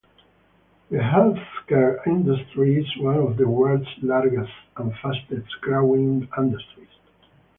The healthcare industry is one of the world's largest and fastest-growing industries.